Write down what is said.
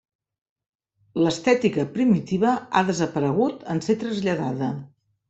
L'estètica primitiva ha desaparegut en ser traslladada.